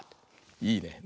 いいね。